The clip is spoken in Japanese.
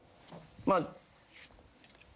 まあ。